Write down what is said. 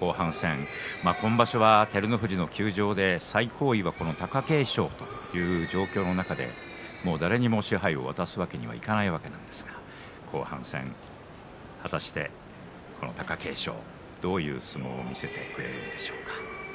後半戦今場所は照ノ富士の休場で最高位が、この貴景勝という状況の中で誰にも賜盃を渡すわけにはいかないわけですが後半戦、果たしてこの貴景勝、どういう相撲を見せてくれるでしょうか。